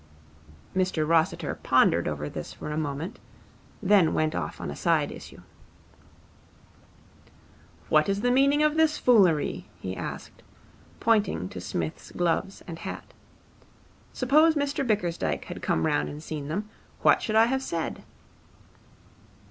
Mr Rossiter pondered over this for a moment, then went off on a side issue. 'What is the meaning of this foolery?' he asked, pointing to Psmith's gloves and hat. 'Suppose Mr Bickersdyke had come round and seen them, what should I have said?'